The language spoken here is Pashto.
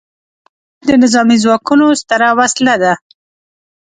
راکټ د نظامي ځواکونو ستره وسله ده